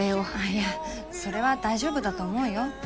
いやそれは大丈夫だと思うよ。